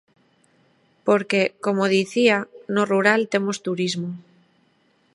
Porque, como dicía, no rural temos turismo.